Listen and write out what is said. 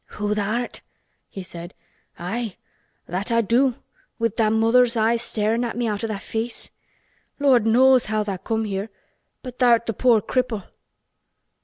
"Who tha' art?" he said. "Aye, that I do—wi' tha' mother's eyes starin' at me out o' tha' face. Lord knows how tha' come here. But tha'rt th' poor cripple."